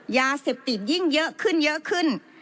ยาเสพติดยิ่งเยอะขึ้น